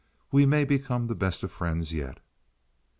We may become the best of friends yet."